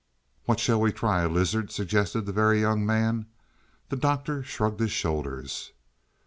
"What shall we try, a lizard?" suggested the Very Young Man. The Doctor shrugged his shoulders.